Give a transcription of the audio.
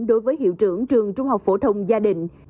đối với hiệu trưởng trường trung học phổ thông gia đình